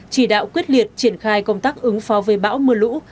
chỉ đạo quyết liệt triển khai công tác ứng phó với bão mưa lũ